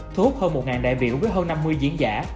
thu hút hơn một đại biểu với hơn năm mươi diễn giả